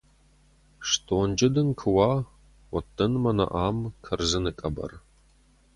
Стонджы дын куы уа, уӕд дын мӕнӕ ам кӕрдзыны къӕбӕр.